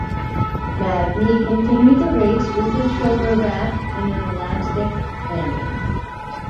Magni continued the race with his shoulder wrapped in an elastic bandage.